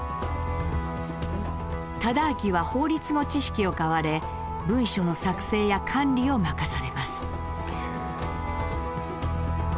忠亮は法律の知識を買われ文書の作成や管理を任されます。